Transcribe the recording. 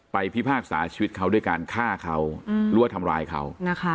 พิพากษาชีวิตเขาด้วยการฆ่าเขาหรือว่าทำร้ายเขา